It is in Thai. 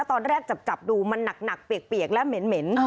ตอนแรกจับดูมันหนักเปียกและเหม็น